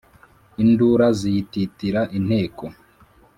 indura ziyitirira inteko